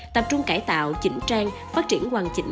tập trung cải tạo chỉnh trang phát triển hoàn chỉnh